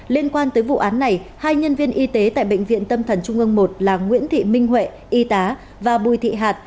liên quan tới vụ án này hai nhân viên y tế tại bệnh viện tâm thần trung ương một là nguyễn thị minh huệ y tá và bùi thị hạt